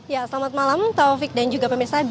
ya selamat malam taufik dan juga pemirsa